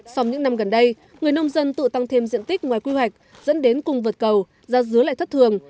sau những năm gần đây người nông dân tự tăng thêm diện tích ngoài quy hoạch dẫn đến cung vượt cầu ra dứa lại thất thường